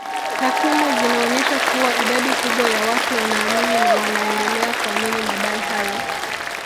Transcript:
Takwimu zinaonyesha kuwa idadi kubwa ya watu wanaamini na wanaendelea kuamini madai hayo